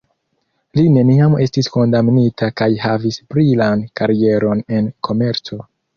Li neniam estis kondamnita kaj havis brilan karieron en komerco.